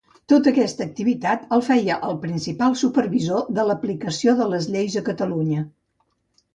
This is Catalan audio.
Tota aquesta activitat el feia el principal supervisor de l'aplicació de les lleis a Catalunya.